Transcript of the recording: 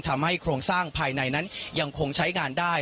โครงสร้างภายในนั้นยังคงใช้งานได้